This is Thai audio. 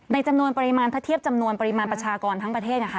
จำนวนปริมาณถ้าเทียบจำนวนปริมาณประชากรทั้งประเทศนะคะ